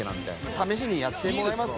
試しにやってもらいます？